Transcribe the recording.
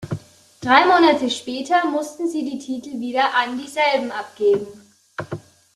Drei Monate später mussten sie die Titel wieder an dieselben abgeben.